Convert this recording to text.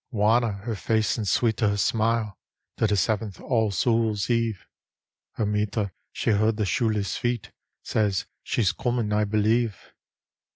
Wanner her face and sweeter her anile, Till the seventh All Souls Eve Her mither she heard the shoeless feet, Says " She's comin', I believe."